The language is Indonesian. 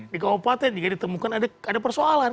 di kabupaten juga ditemukan ada persoalan